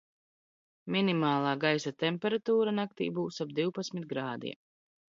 Minimālā gaisa temperatūra naktī būs ap divpadsmit grādiem.